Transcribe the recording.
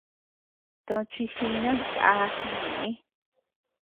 Tochi jinan naa jiñeʼë.